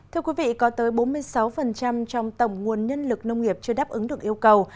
thưa quý vị có tới bốn mươi sáu trong tổng nguồn nhân lực nông nghiệp chưa đáp ứng được yêu cầu